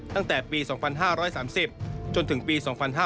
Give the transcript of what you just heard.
ตั้งแต่ปี๒๕๓๐จนถึงปี๒๕๕๙